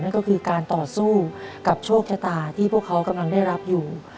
นั่นก็คือการต่อสู้กับโชคชะตาที่พวกเขากำลังได้รับอยู่